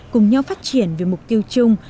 cùng nhau phát triển về mục tiêu chung